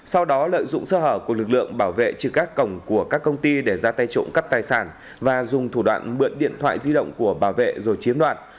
sau đó lợi dụng sơ hở của lực lượng bảo vệ trừ các cổng của các công ty để ra tay trộm cắp tài sản và dùng thủ đoạn bượn điện thoại di động của bảo vệ rồi chiếm đoạt